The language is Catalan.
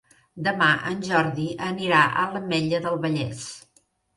Demà en Jordi anirà a l'Ametlla del Vallès.